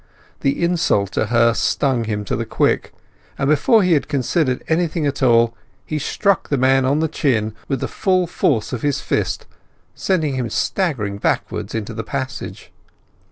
The insult to her stung him to the quick, and before he had considered anything at all he struck the man on the chin with the full force of his fist, sending him staggering backwards into the passage.